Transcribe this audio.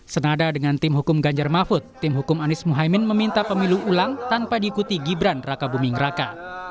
senada dengan tim hukum ganjar mahfud tim hukum anies mohaimin meminta pemilu ulang tanpa diikuti gibran raka buming raka